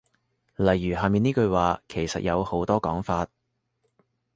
例如下面呢句話其實有好多講法